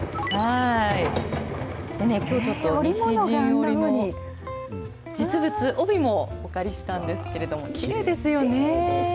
きょうちょっと、西陣織の実物、帯もお借りしたんですけれども、きれい。